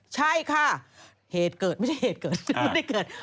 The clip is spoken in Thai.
ใช่ค่ะเหตุเกิดไม่ใช่เหตุเกิดซึ่งไม่ได้เกิด